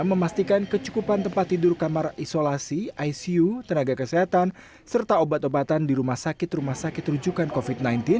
memastikan kecukupan tempat tidur kamar isolasi icu tenaga kesehatan serta obat obatan di rumah sakit rumah sakit rujukan covid sembilan belas